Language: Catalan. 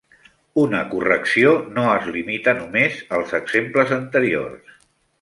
Una correcció no es limita només als exemples anteriors.